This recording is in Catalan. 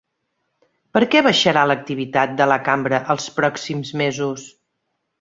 Per què baixarà l'activitat de la cambra els pròxims mesos?